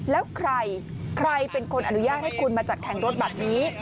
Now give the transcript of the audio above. แล้วใครใครเป็นคนอนุญาตให้คุณมาจัดแข่งรถแบบนี้